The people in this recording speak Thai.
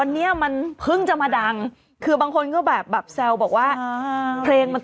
เอามาบังเกลาเพลง